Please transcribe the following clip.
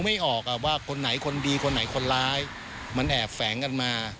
ไม่ออกว่าคนไหนคนดีคนไหนคนร้ายมันแอบแฝงกันมา